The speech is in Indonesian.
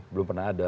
belum pernah ada